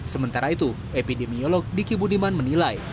sementara itu epidemiolog diki budiman menilai